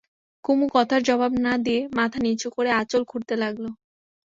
কুমু কথার জবাব না দিয়ে মাথা নিচু করে আঁচল খুঁটতে লাগল।